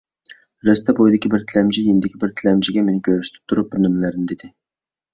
رەستە بويىدىكى بىر تىلەمچى يېنىدىكى بىر تىلەمچىگە مېنى كۆرسىتىپ تۇرۇپ بىرنېمىلەرنى دېدى.